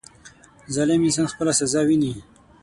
• ظالم انسان خپله سزا ویني.